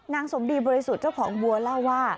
นางสมดีบริสุทธิ์เจ้าของวัวเล่าว่า